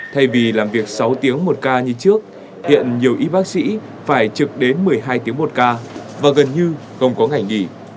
thay vì làm việc sáu tiếng một ca như trước hiện nhiều y bác sĩ phải trực đến một mươi hai tiếng một ca và gần như không có ngày nghỉ